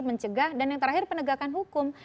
mencegah dan yang terakhir penegakan hukum